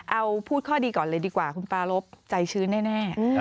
เอาพูดข้อดีก่อนเลยดีกว่าคุณปารบใจชื้นแน่